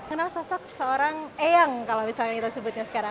kenal sosok seorang eyang kalau misalnya kita sebutnya sekarang